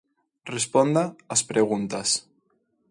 Responda ás preguntas.